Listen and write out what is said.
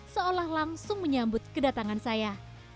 seolah langsung menyambut kedatangan saya